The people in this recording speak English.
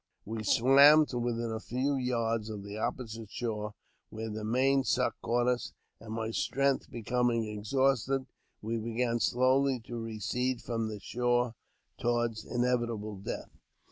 We swam to within a few yards of the opposite shore, where the main suck caught us, and, my strength becoming exhausted, we began slowly to recede from the shore toward inevitable death.